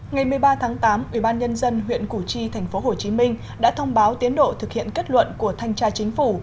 ngày một mươi ba tháng tám ubnd huyện củ chi tp hcm đã thông báo tiến độ thực hiện kết luận của thanh tra chính phủ